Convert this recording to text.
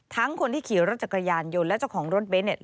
ทั้งคนที่ขี่รถจักรยานยนต์และเจ้าของรถเบนท์